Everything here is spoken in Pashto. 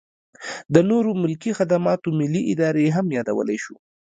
د نورو ملکي خدماتو ملي ادارې هم یادولی شو.